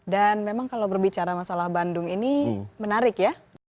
dan memang kalau berbicara masalah bandung ini menarik ya